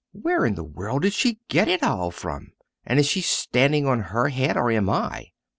"Where in the world did she get it all from, and is she standing on her head or am I?"